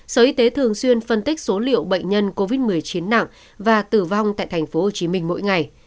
sở y tế thường xuyên phân tích số liệu bệnh nhân covid một mươi chín nặng và tử vong tại tp hcm mỗi ngày